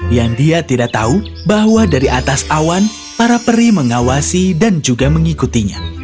yang dia tidak tahu bahwa dari atas awan para peri mengawasi dan juga mengikutinya